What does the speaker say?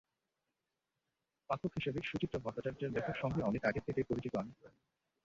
পাঠক হিসেবে সুচিত্রা ভট্টাচার্য্যের লেখার সঙ্গে অনেক আগে থেকেই পরিচিত আমি।